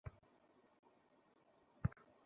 আমি খুব ভালো গল্প করতে পারি।